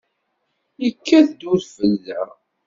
Yekkat-d udfel da?